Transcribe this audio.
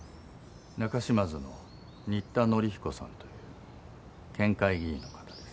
中島津の新田徳彦さんという県会議員の方です。